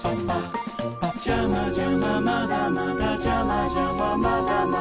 「ジャマジャマまだまだジャマジャマまだまだ」